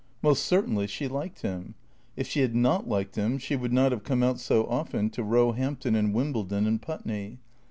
Most certainly she liked him. If she had not liked him she would not have come out so often to Roehampton and Wimble don and Putney.